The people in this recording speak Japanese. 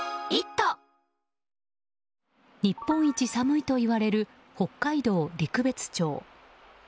日本一寒いといわれる北海道陸別町。